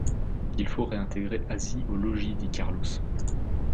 Il faut réintégrer Asie au logis, dit Carlos.